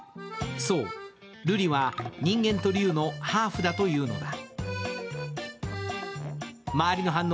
そう、ルリは人間と龍のハーフだというのだ。